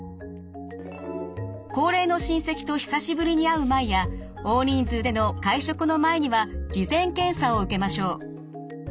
高齢の親戚と久しぶりに会う前や大人数での会食の前には事前検査を受けましょう。